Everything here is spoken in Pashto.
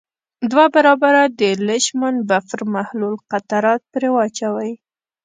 دوه برابره د لیشمان بفر محلول قطرات پرې واچوئ.